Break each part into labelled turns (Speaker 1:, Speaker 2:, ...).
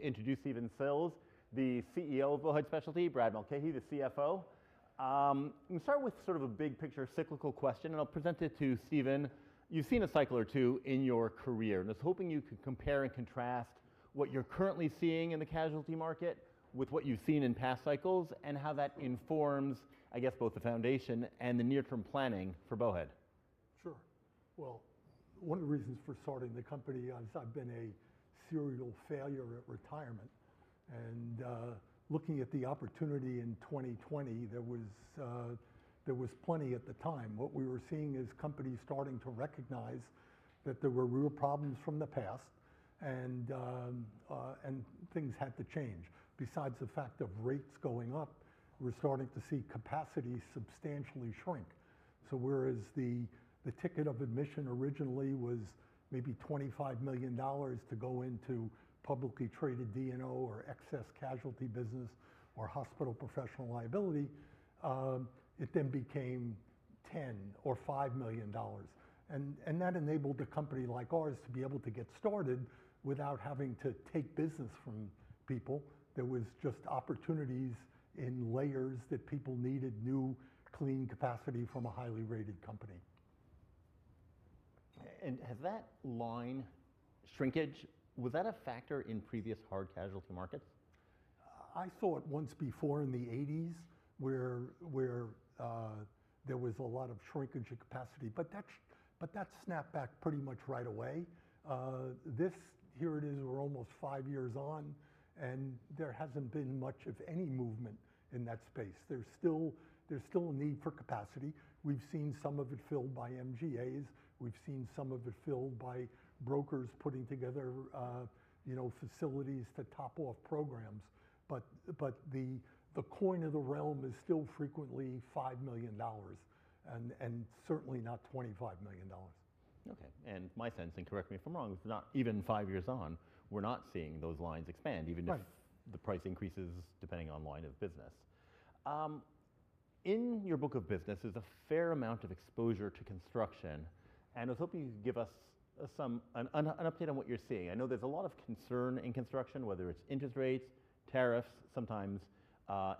Speaker 1: ... introduce Stephen Sills, the CEO of Bowhead Specialty, Brad Mulcahy, the CFO. I'm gonna start with sort of a big picture cyclical question, and I'll present it to Stephen. You've seen a cycle or two in your career, and I was hoping you could compare and contrast what you're currently seeing in the casualty market with what you've seen in past cycles, and how that informs, I guess, both the foundation and the near-term planning for Bowhead.
Speaker 2: Sure. Well, one of the reasons for starting the company is I've been a serial failure at retirement. Looking at the opportunity in 2020, there was plenty at the time. What we were seeing is companies starting to recognize that there were real problems from the past and things had to change. Besides the fact of rates going up, we're starting to see capacity substantially shrink. Whereas the ticket of admission originally was maybe $25 million to go into publicly traded D&O or excess casualty business or hospital professional liability, it then became $10 million or $5 million. That enabled a company like ours to be able to get started without having to take business from people. There was just opportunities in layers that people needed new, clean capacity from a highly rated company. Has that line shrinkage, was that a factor in previous hard casualty markets? I saw it once before in the eighties, where there was a lot of shrinkage in capacity. But that snapped back pretty much right away. Here it is, we're almost five years on, and there hasn't been much of any movement in that space. There's still a need for capacity. We've seen some of it filled by MGAs, we've seen some of it filled by brokers putting together you know facilities to top off programs, but the coin of the realm is still frequently $5 million and certainly not $25 million. Okay. And my sense, and correct me if I'm wrong, not even five years on, we're not seeing those lines expand- Right... even if the price increases, depending on line of business. In your book of business, there's a fair amount of exposure to construction, and I was hoping you could give us an update on what you're seeing. I know there's a lot of concern in construction, whether it's interest rates, tariffs, sometimes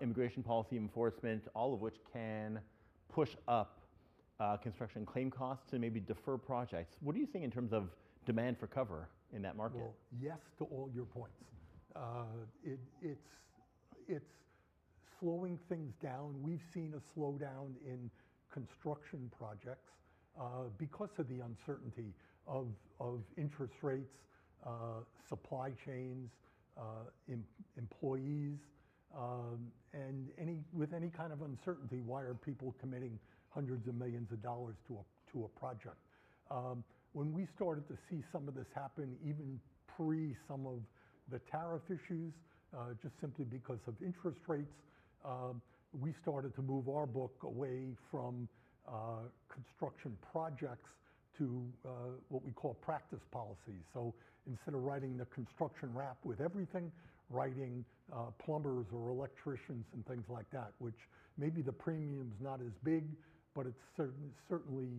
Speaker 2: immigration policy enforcement, all of which can push up construction claim costs and maybe defer projects. What are you seeing in terms of demand for cover in that market? Yes to all your points. It's slowing things down. We've seen a slowdown in construction projects because of the uncertainty of interest rates, supply chains, employees, and with any kind of uncertainty, why are people committing hundreds of millions of dollars to a project? When we started to see some of this happen, even pre some of the tariff issues, just simply because of interest rates, we started to move our book away from construction projects to what we call practice policies. So instead of writing the construction wrap with everything, writing plumbers or electricians and things like that, which maybe the premium's not as big, but it's certainly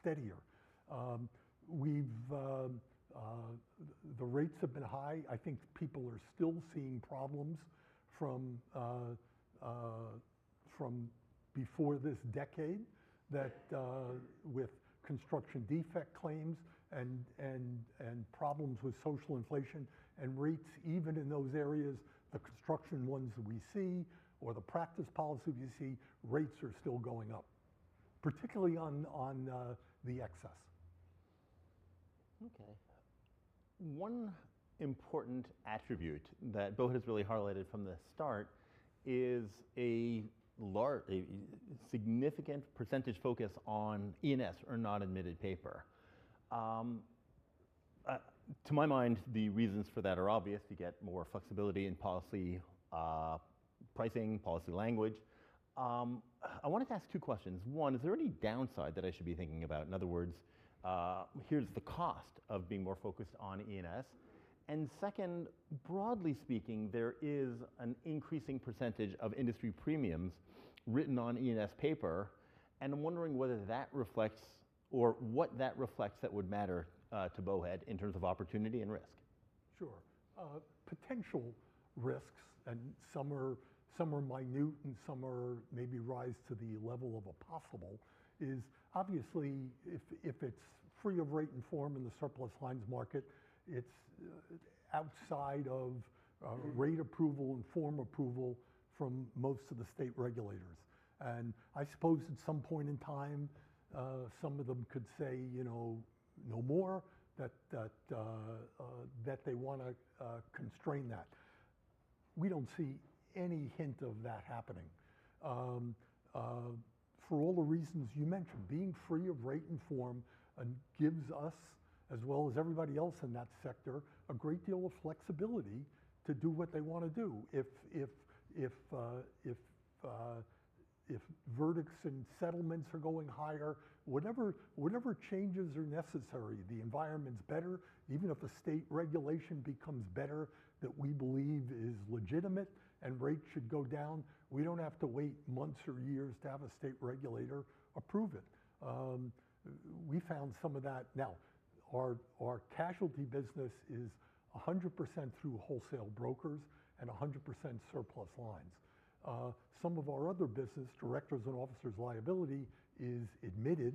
Speaker 2: steadier. The rates have been high. I think people are still seeing problems from before this decade with construction defect claims and problems with social inflation and rates. Even in those areas, the construction ones that we see or the practice policy we see, rates are still going up, particularly on the excess. Okay. One important attribute that Bowhead has really highlighted from the start is a significant percentage focus on E&S or non-admitted paper. To my mind, the reasons for that are obvious: you get more flexibility in policy, pricing, policy language. I wanted to ask two questions. One, is there any downside that I should be thinking about? In other words, here's the cost of being more focused on E&S. And second, broadly speaking, there is an increasing percentage of industry premiums written on E&S paper, and I'm wondering whether that reflects or what that reflects that would matter to Bowhead in terms of opportunity and risk. Sure. Potential risks, and some are minute, and some may rise to the level of a possible, is obviously if it's free of rate and form in the surplus lines market, it's outside of rate approval and form approval from most of the state regulators. And I suppose at some point in time, some of them could say, you know, no more, that they wanna constrain that. We don't see any hint of that happening. For all the reasons you mentioned, being free of rate and form gives us, as well as everybody else in that sector, a great deal of flexibility to do what they wanna do. If verdicts and settlements are going higher, whatever changes are necessary, the environment's better. Even if the state regulation becomes better, that we believe is legitimate and rates should go down, we don't have to wait months or years to have a state regulator approve it. We found some of that now. Our casualty business is 100% through wholesale brokers and 100% surplus lines. Some of our other business, directors and officers' liability, is admitted,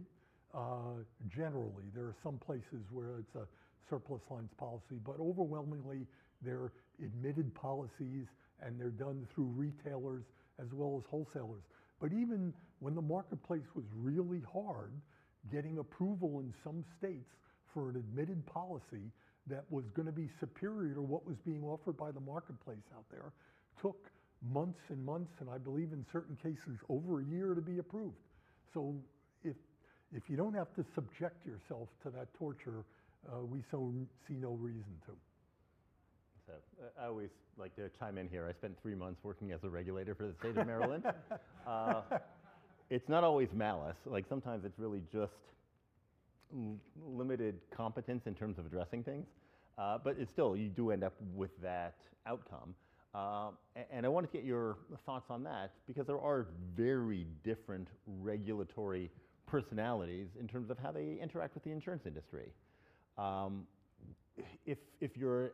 Speaker 2: generally. There are some places where it's a surplus lines policy, but overwhelmingly they're admitted policies, and they're done through retailers as well as wholesalers. But even when the marketplace was really hard, getting approval in some states for an admitted policy that was gonna be superior to what was being offered by the marketplace out there, took months and months, and I believe in certain cases, over a year to be approved. If you don't have to subject yourself to that torture, we see no reason to. So I always like to chime in here. I spent three months working as a regulator for the state of Maryland. It's not always malice, like sometimes it's really just limited competence in terms of addressing things. But it's still, you do end up with that outcome. And I wanted to get your thoughts on that because there are very different regulatory personalities in terms of how they interact with the insurance industry. If you're,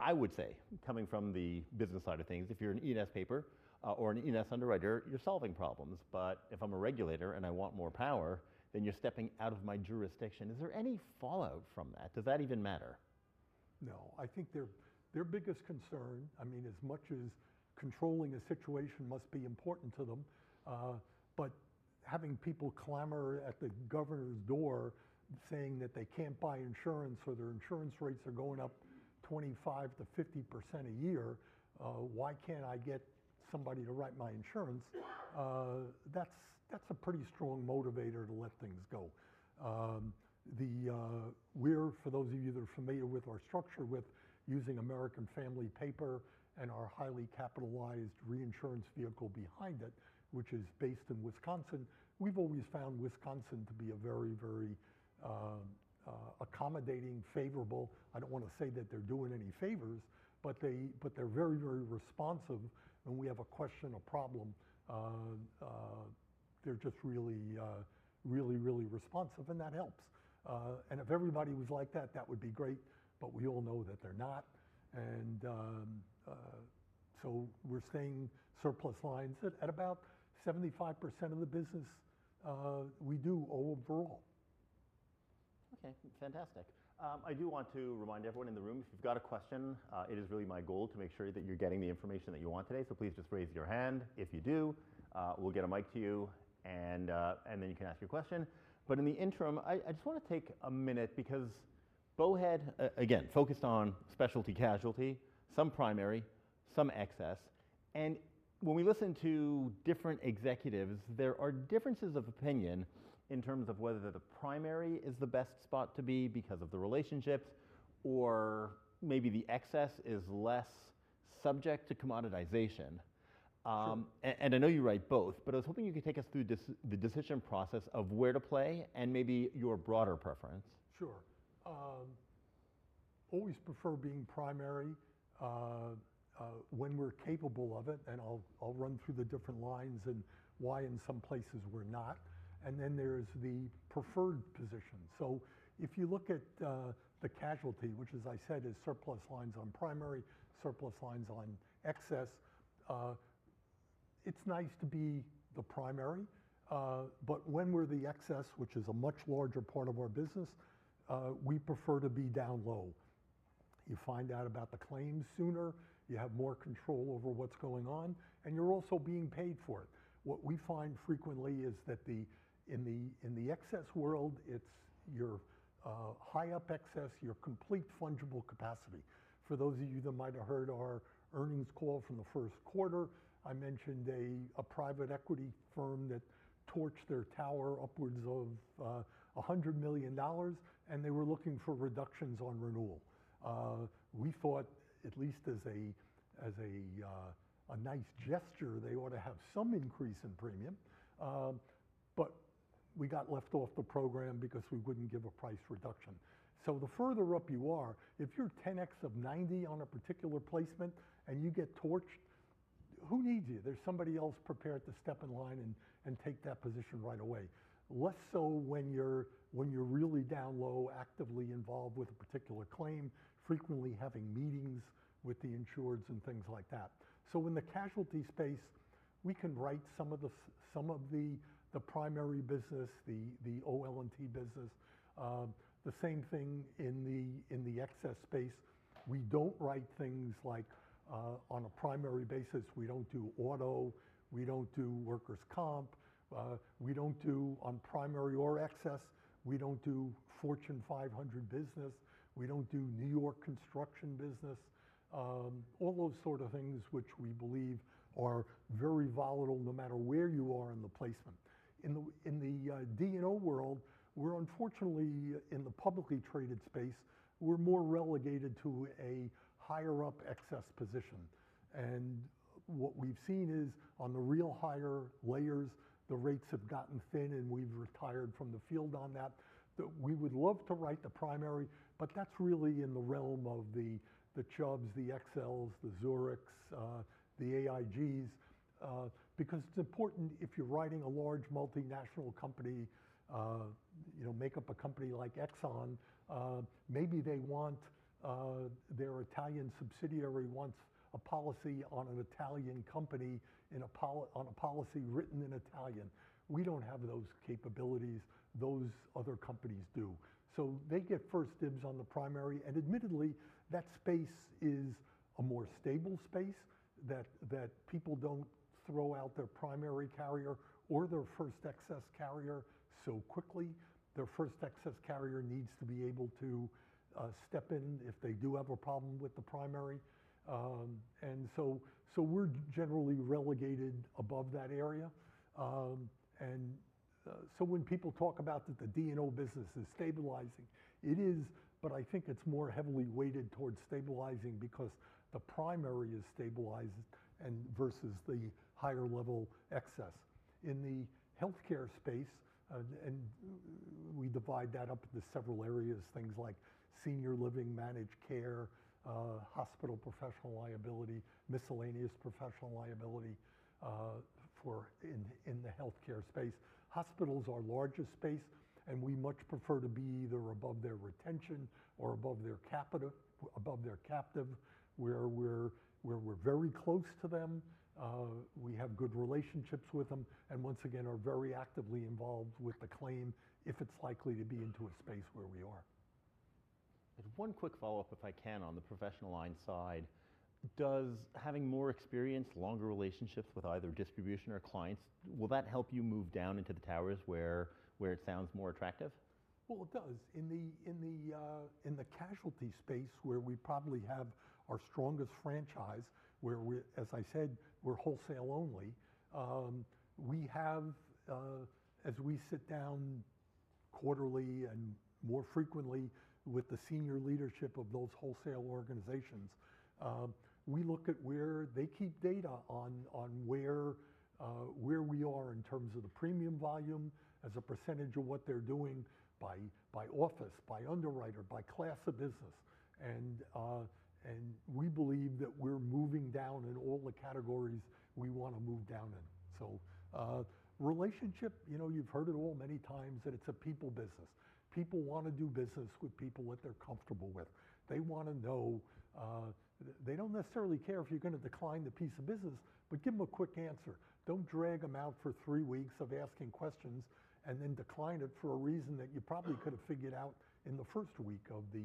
Speaker 2: I would say, coming from the business side of things, if you're an E&S paper or an E&S underwriter, you're solving problems. But if I'm a regulator and I want more power, then you're stepping out of my jurisdiction. Is there any fallout from that? Does that even matter? No. I think their biggest concern, I mean, as much as controlling a situation must be important to them, but having people clamor at the governor's door saying that they can't buy insurance or their insurance rates are going up 25%-50% a year, "Why can't I get somebody to write my insurance?" That's a pretty strong motivator to let things go. We're, for those of you that are familiar with our structure, with using American Family paper and our highly capitalized reinsurance vehicle behind it, which is based in Wisconsin. We've always found Wisconsin to be a very accommodating, favorable. I don't wanna say that they're doing any favors, but they're very responsive when we have a question or problem. They're just really responsive, and that helps. And if everybody was like that, that would be great, but we all know that they're not. And so we're staying surplus lines at about 75% of the business we do overall. Okay, fantastic. I do want to remind everyone in the room, if you've got a question, it is really my goal to make sure that you're getting the information that you want today. So please just raise your hand. If you do, we'll get a mic to you, and then you can ask your question. But in the interim, I just wanna take a minute because Bowhead, again, focused on specialty casualty, some primary, some excess, and when we listen to different executives, there are differences of opinion in terms of whether the primary is the best spot to be because of the relationships or maybe the excess is less subject to commoditization. And I know you write both, but I was hoping you could take us through the decision process of where to play and maybe your broader preference. Sure. Always prefer being primary when we're capable of it, and I'll run through the different lines and why in some places we're not, and then there's the preferred position, so if you look at the casualty, which as I said, is surplus lines on primary, surplus lines on excess, it's nice to be the primary, but when we're the excess, which is a much larger part of our business, we prefer to be down low. You find out about the claims sooner, you have more control over what's going on, and you're also being paid for it. What we find frequently is that in the excess world, it's your high up excess, your complete fungible capacity. For those of you that might have heard our earnings call from the first quarter, I mentioned a private equity firm that torched their tower upwards of $100 million, and they were looking for reductions on renewal. We thought, at least as a nice gesture, they ought to have some increase in premium, but we got left off the program because we wouldn't give a price reduction, so the further up you are, if you're 10x of 90 on a particular placement and you get torched, who needs you? There's somebody else prepared to step in line and take that position right away. Less so when you're really down low, actively involved with a particular claim, frequently having meetings with the insureds and things like that. So in the casualty space, we can write some of the primary business, the OL&T business. The same thing in the excess space. We don't write things like, on a primary basis, we don't do auto, we don't do workers' comp, we don't do on primary or excess, we don't do Fortune 500 business, we don't do New York construction business. All those sort of things which we believe are very volatile, no matter where you are in the placement. In the D&O world, we're unfortunately in the publicly traded space, we're more relegated to a higher up excess position, and what we've seen is on the real higher layers, the rates have gotten thin, and we've retired from the field on that. That we would love to write the primary, but that's really in the realm of the Chubbs, the XLs, the Zurichs, the AIGs. Because it's important if you're writing a large multinational company, you know, make up a company like Exxon, maybe they want their Italian subsidiary wants a policy on an Italian company in a policy written in Italian. We don't have those capabilities, those other companies do. So they get first dibs on the primary, and admittedly, that space is a more stable space, that people don't throw out their primary carrier or their first excess carrier so quickly. Their first excess carrier needs to be able to step in if they do have a problem with the primary, and so we're generally relegated above that area. When people talk about that the D&O business is stabilizing, it is, but I think it's more heavily weighted towards stabilizing because the primary is stabilized and versus the higher level excess. In the healthcare space, we divide that up into several areas, things like senior living, managed care, hospital professional liability, miscellaneous professional liability in the healthcare space. Hospitals are our largest space, and we much prefer to be either above their retention or above their captive, where we're very close to them, we have good relationships with them, and once again, are very actively involved with the claim if it's likely to be into a space where we are. One quick follow-up, if I can, on the professional line side. Does having more experience, longer relationships with either distribution or clients, will that help you move down into the towers where it sounds more attractive? It does. In the casualty space, where we probably have our strongest franchise, where we're, as I said, we're wholesale only. We have as we sit down quarterly and more frequently with the senior leadership of those wholesale organizations, we look at where they keep data on where we are in terms of the premium volume as a percentage of what they're doing by office, by underwriter, by class of business, and we believe that we're moving down in all the categories we want to move down in. Relationship, you know, you've heard it all many times that it's a people business. People want to do business with people that they're comfortable with. They want to know... They don't necessarily care if you're gonna decline the piece of business, but give them a quick answer. Don't drag them out for three weeks of asking questions and then decline it for a reason that you probably could have figured out in the first week of the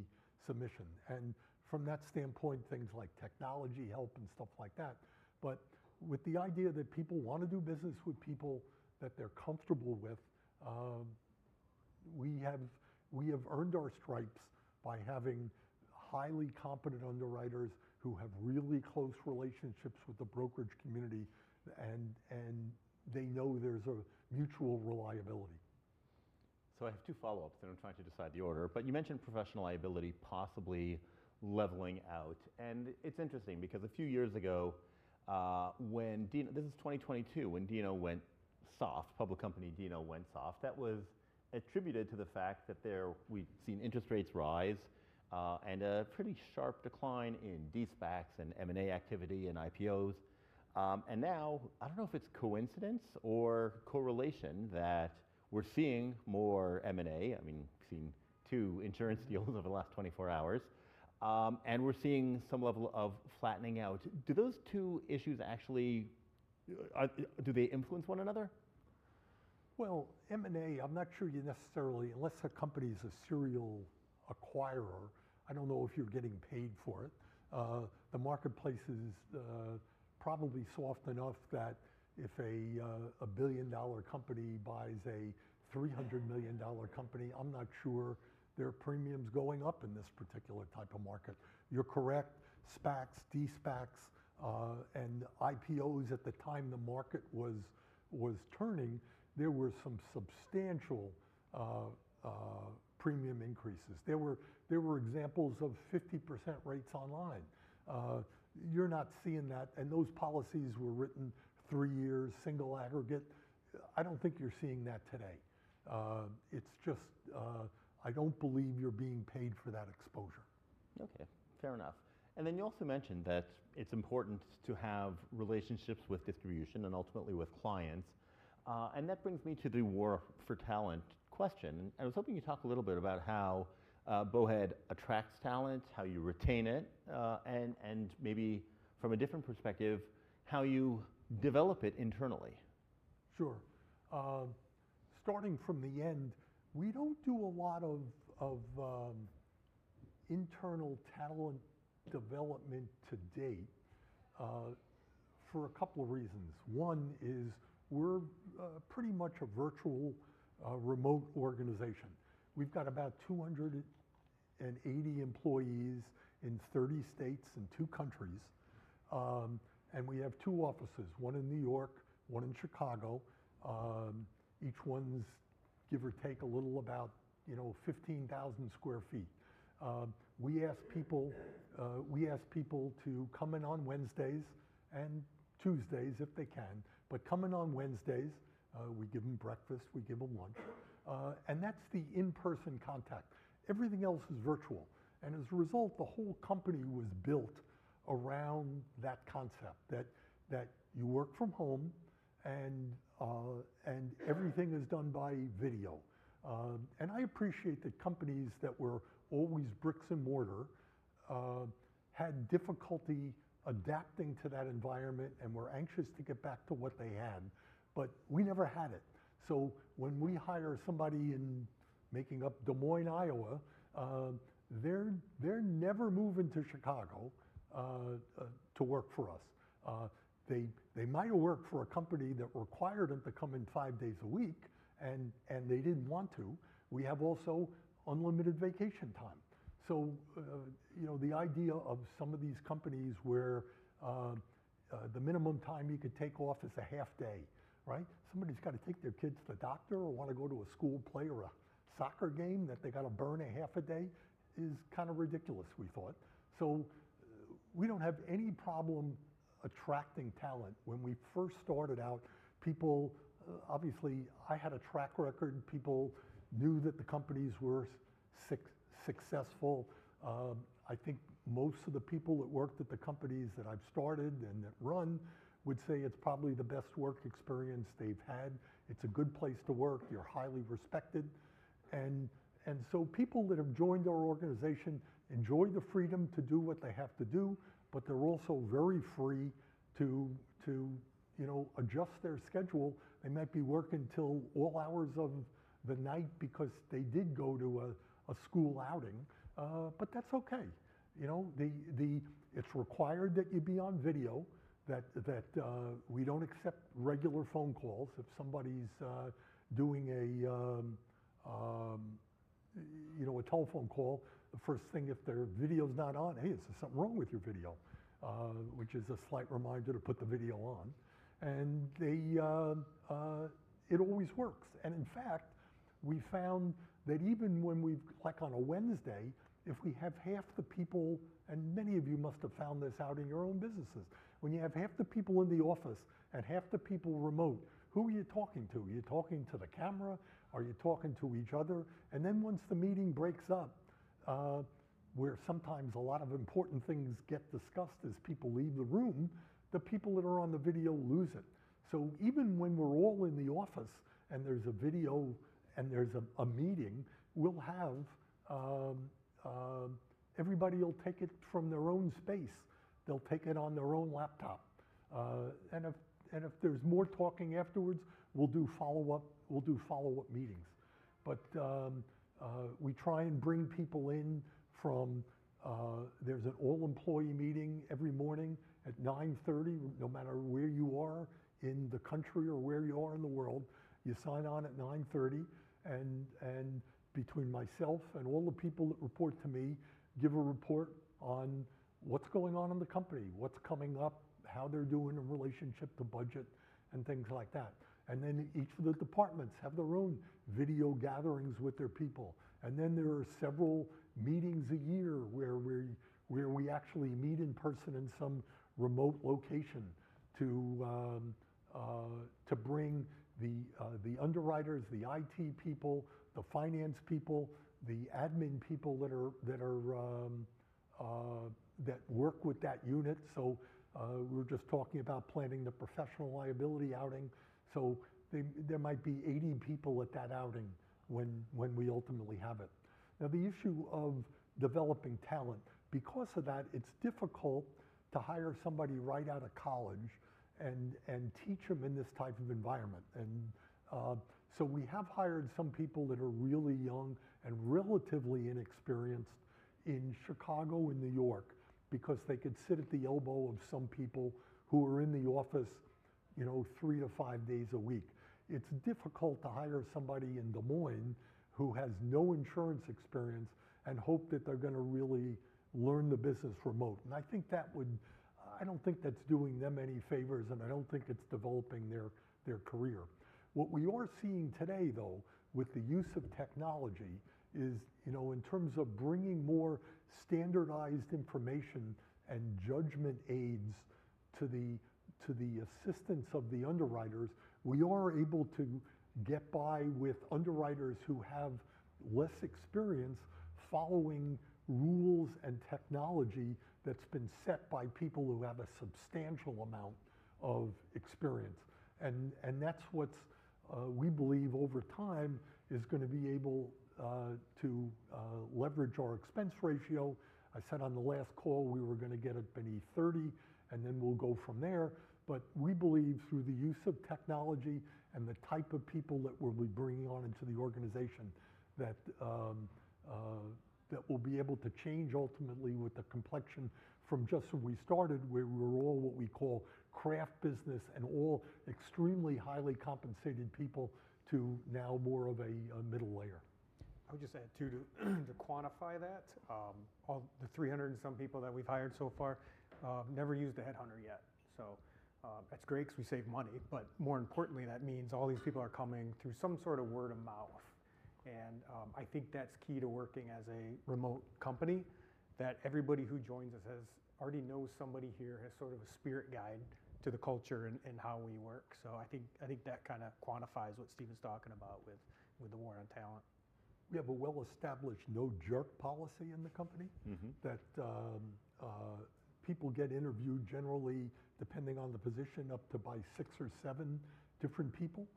Speaker 2: submission. And from that standpoint, things like technology help and stuff like that. But with the idea that people want to do business with people that they're comfortable with, we have earned our stripes by having highly competent underwriters who have really close relationships with the brokerage community, and they know there's a mutual reliability. So I have two follow-ups, and I'm trying to decide the order. But you mentioned professional liability possibly leveling out, and it's interesting because a few years ago, when D&O. This is 2022, when D&O went soft, public company D&O went soft, that was attributed to the fact that there we'd seen interest rates rise, and a pretty sharp decline in de-SPACs and M&A activity and IPOs. And now, I don't know if it's coincidence or correlation that we're seeing more M&A. I mean, we've seen two insurance deals over the last 24 hours. And we're seeing some level of flattening out. Do those two issues actually do they influence one another? M&A, I'm not sure you necessarily unless a company is a serial acquirer. I don't know if you're getting paid for it. The marketplace is probably soft enough that if a billion-dollar company buys a 300 million dollar company, I'm not sure their premium's going up in this particular type of market. You're correct, SPACs, de-SPACs, and IPOs at the time the market was turning, there were some substantial premium increases. There were examples of 50% rates on line. You're not seeing that, and those policies were written three years, single aggregate. I don't think you're seeing that today. It's just, I don't believe you're being paid for that exposure. Okay, fair enough. And then you also mentioned that it's important to have relationships with distribution and ultimately with clients, and that brings me to the war for talent question. And I was hoping you'd talk a little bit about how Bowhead attracts talent, how you retain it, and maybe from a different perspective, how you develop it internally. Sure. Starting from the end, we don't do a lot of internal talent development to date for a couple of reasons. One is we're pretty much a virtual remote organization. We've got about 280 employees in 30 states and two countries, and we have two offices, one in New York, one in Chicago. Each one is, give or take, a little about, you know, 15,000 sq ft. We ask people to come in on Wednesdays and Tuesdays if they can. But coming on Wednesdays, we give them breakfast, we give them lunch, and that's the in-person contact. Everything else is virtual, and as a result, the whole company was built around that concept, that you work from home and everything is done by video. And I appreciate that companies that were always bricks-and-mortar had difficulty adapting to that environment and were anxious to get back to what they had. But we never had it. So when we hire somebody in, making up Des Moines, Iowa, they're never moving to Chicago to work for us. They might have worked for a company that required them to come in five days a week, and they didn't want to. We have also unlimited vacation time. So you know, the idea of some of these companies where the minimum time you could take off is a half day, right? Somebody's got to take their kids to the doctor or wanna go to a school play or a soccer game, that they got to burn a half a day is kind of ridiculous, we thought. So we don't have any problem attracting talent. When we first started out, people, obviously, I had a track record, and people knew that the companies were successful. I think most of the people that worked at the companies that I've started and that run would say it's probably the best work experience they've had. It's a good place to work. You're highly respected. And so people that have joined our organization enjoy the freedom to do what they have to do, but they're also very free to, you know, adjust their schedule. They might be working till all hours of the night because they did go to a school outing. But that's okay, you know. It's required that you be on video, that we don't accept regular phone calls. If somebody's doing a, you know, a telephone call, the first thing, if their video is not on, "Hey, is there something wrong with your video?" which is a slight reminder to put the video on. It always works. And in fact, we found that even when we've, like on a Wednesday, if we have half the people, and many of you must have found this out in your own businesses, when you have half the people in the office and half the people remote, who are you talking to? Are you talking to the camera? Are you talking to each other? And then once the meeting breaks up, where sometimes a lot of important things get discussed as people leave the room, the people that are on the video lose it. So even when we're all in the office and there's a video and there's a, a meeting, we'll have everybody will take it from their own space. They'll take it on their own laptop. And if there's more talking afterwards, we'll do follow-up, we'll do follow-up meetings. But we try and bring people in. There's an all-employee meeting every morning at 9:30 A.M. No matter where you are in the country or where you are in the world, you sign on at 9:30 A.M., and between myself and all the people that report to me, give a report on what's going on in the company, what's coming up, how they're doing in relationship to budget, and things like that. And then each of the departments have their own video gatherings with their people. And then there are several meetings a year where we actually meet in person in some remote location to bring the underwriters, the IT people, the finance people, the admin people that work with that unit. So we're just talking about planning the professional liability outing, so there might be 80 people at that outing when we ultimately have it. Now, the issue of developing talent, because of that, it's difficult to hire somebody right out of college and teach them in this type of environment. And so we have hired some people that are really young and relatively inexperienced in Chicago and New York because they could sit at the elbow of some people who are in the office, you know, three to five days a week. It's difficult to hire somebody in Des Moines who has no insurance experience and hope that they're gonna really learn the business remote. And I think that would. I don't think that's doing them any favors, and I don't think it's developing their career. What we are seeing today, though, with the use of technology is, you know, in terms of bringing more standardized information and judgment aids to the assistance of the underwriters, we are able to get by with underwriters who have less experience following rules and technology that's been set by people who have a substantial amount of experience. And that's what we believe over time is gonna be able to leverage our expense ratio. I said on the last call, we were gonna get it beneath 30, and then we'll go from there. But we believe through the use of technology and the type of people that we'll be bringing on into the organization, that we'll be able to change ultimately with the complexion from just when we started, where we were all what we call craft business and all extremely highly compensated people, to now more of a middle layer....
Speaker 3: I would just add, too, to quantify that, all the three hundred and some people that we've hired so far, never used a headhunter yet. So, that's great because we save money, but more importantly, that means all these people are coming through some sort of word-of-mouth. And, I think that's key to working as a remote company, that everybody who joins us has already knows somebody here, has sort of a spirit guide to the culture and how we work. So I think that kind of quantifies what Steve's talking about with the war on talent.
Speaker 2: We have a well-established no jerk policy in the company.
Speaker 3: Mm-hmm.
Speaker 2: That people get interviewed generally, depending on the position, up to by six or seven different people,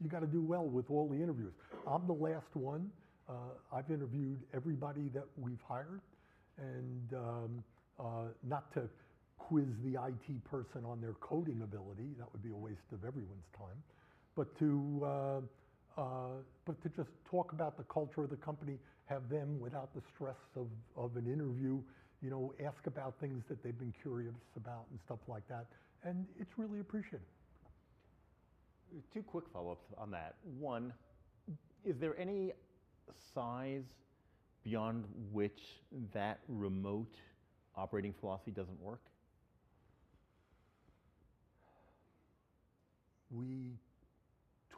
Speaker 2: and you've got to do well with all the interviews. I'm the last one. I've interviewed everybody that we've hired, not to quiz the IT person on their coding ability, that would be a waste of everyone's time, but to just talk about the culture of the company, have them, without the stress of an interview, you know, ask about things that they've been curious about and stuff like that, and it's really appreciated. Two quick follow-ups on that. One, is there any size beyond which that remote operating philosophy doesn't work? We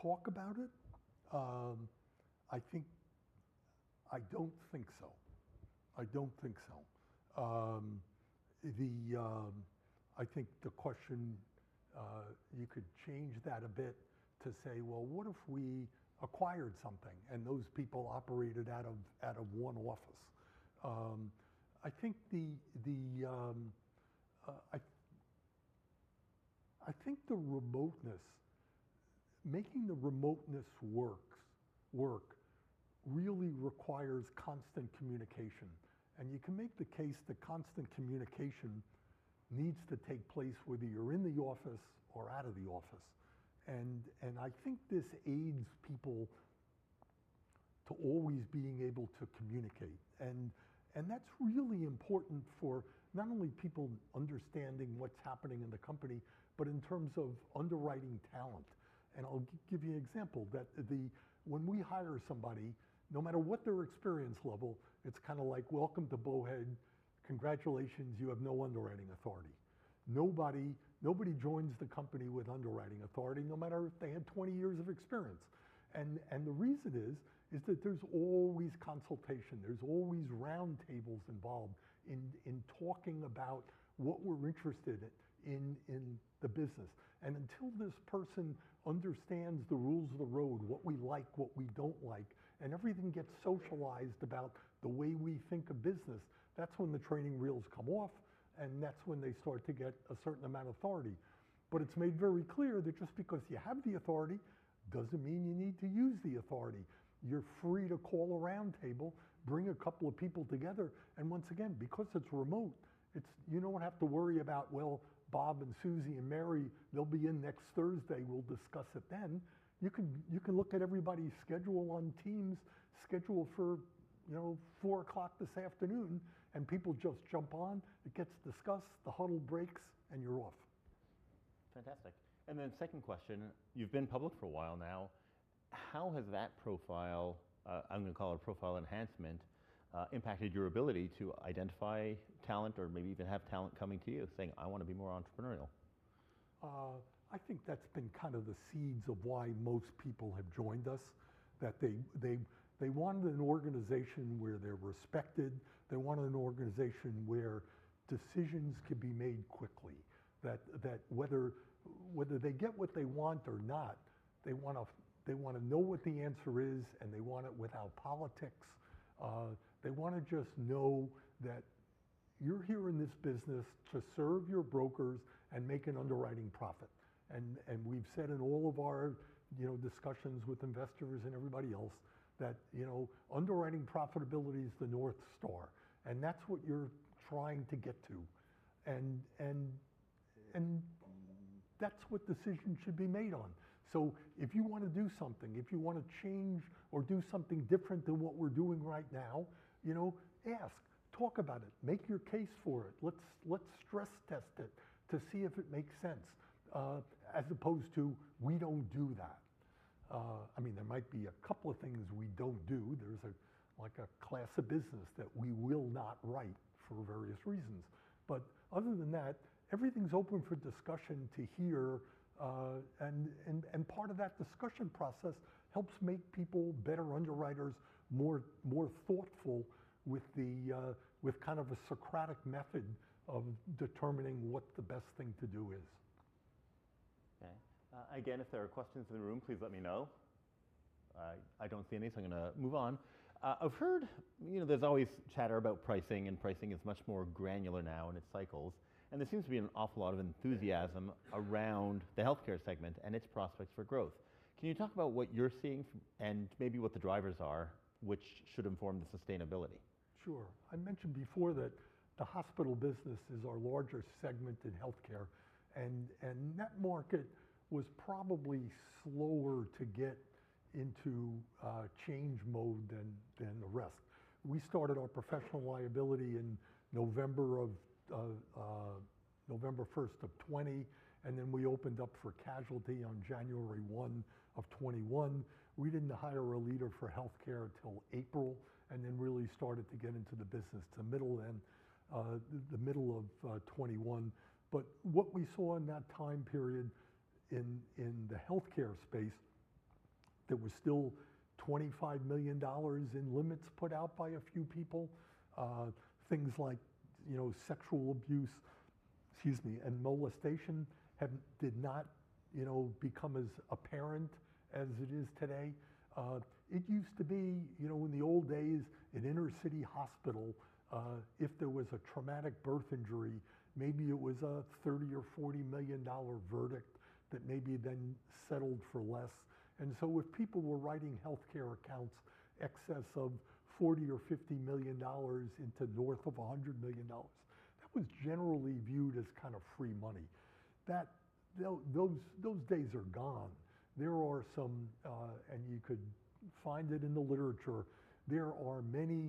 Speaker 2: talk about it. I think I don't think so. I don't think so. I think the question you could change that a bit to say, well, what if we acquired something, and those people operated out of one office? I think the remoteness, making the remoteness work really requires constant communication, and you can make the case that constant communication needs to take place whether you're in the office or out of the office. And I think this aids people to always being able to communicate, and that's really important for not only people understanding what's happening in the company, but in terms of underwriting talent. I'll give you an example that when we hire somebody, no matter what their experience level, it's kind of like, welcome to Bowhead. Congratulations, you have no underwriting authority. Nobody joins the company with underwriting authority, no matter if they had 20 years of experience. And the reason is that there's always consultation. There's always roundtables involved in talking about what we're interested in the business. And until this person understands the rules of the road, what we like, what we don't like, and everything gets socialized about the way we think of business, that's when the training wheels come off, and that's when they start to get a certain amount of authority. But it's made very clear that just because you have the authority doesn't mean you need to use the authority. You're free to call a roundtable, bring a couple of people together, and once again, because it's remote, it's you don't have to worry about, well, Bob and Susie and Mary, they'll be in next Thursday, we'll discuss it then. You can, you can look at everybody's schedule on Teams, schedule for, you know, 4:00 P.M. this afternoon, and people just jump on, it gets discussed, the huddle breaks, and you're off. Fantastic. And then second question: You've been public for a while now. How has that profile, I'm going to call it a profile enhancement, impacted your ability to identify talent or maybe even have talent coming to you saying, "I want to be more entrepreneurial"? I think that's been kind of the seeds of why most people have joined us, that they want an organization where they're respected. They want an organization where decisions can be made quickly. That whether they get what they want or not, they want to know what the answer is, and they want it without politics. They want to just know that you're here in this business to serve your brokers and make an underwriting profit. We've said in all of our, you know, discussions with investors and everybody else that, you know, underwriting profitability is the North Star, and that's what you're trying to get to. That's what decisions should be made on. So if you want to do something, if you want to change or do something different than what we're doing right now, you know, ask, talk about it, make your case for it. Let's stress test it to see if it makes sense, as opposed to, "We don't do that." I mean, there might be a couple of things we don't do. There's like a class of business that we will not write for various reasons. But other than that, everything's open for discussion to hear. And part of that discussion process helps make people better underwriters, more thoughtful with the kind of a Socratic method of determining what the best thing to do is. Okay. Again, if there are questions in the room, please let me know. I don't see any, so I'm going to move on. I've heard, you know, there's always chatter about pricing, and pricing is much more granular now in its cycles, and there seems to be an awful lot of enthusiasm around the healthcare segment and its prospects for growth. Can you talk about what you're seeing from- and maybe what the drivers are, which should inform the sustainability? Sure. I mentioned before that the hospital business is our larger segment in healthcare, and E&S market was probably slower to get into change mode than the rest. We started our professional liability on November 1st of 2020, and then we opened up for casualty on January 1 of 2021. We didn't hire a leader for healthcare till April, and then really started to get into the business till the middle of 2021. But what we saw in that time period in the healthcare space, there was still $25 million in limits put out by a few people. Things like, you know, sexual abuse, excuse me, and molestation did not, you know, become as apparent as it is today. It used to be, you know, in the old days, an inner-city hospital, if there was a traumatic birth injury, maybe it was a $30-$40 million verdict that maybe then settled for less, and so if people were writing healthcare accounts excess of $40-$50 million into north of $100 million, that was generally viewed as kind of free money. Those days are gone. There are some, and you could find it in the literature, there are many-